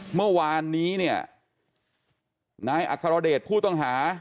เมื่อวานนี้เนี่ยนายอัครเดชผู้ต้องหา